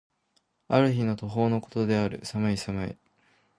ある日の暮方の事である。寒い寒い。